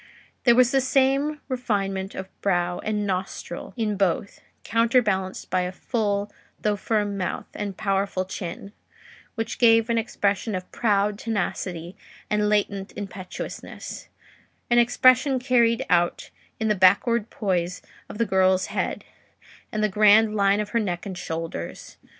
There was the same refinement of brow and nostril in both, counterbalanced by a full though firm mouth and powerful chin, which gave an expression of proud tenacity and latent impetuousness: an expression carried out in the backward poise of the girl's head, and the grand line of her neck and shoulders.